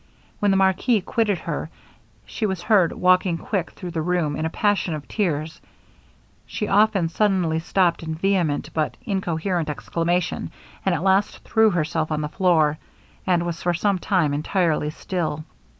When the marquis quitted her, she was heard walking quick through the room, in a passion of tears; she often suddenly stopped in vehement but incoherent exclamation; and at last threw herself on the floor, and was for some time entirely still.